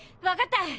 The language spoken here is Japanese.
わかった！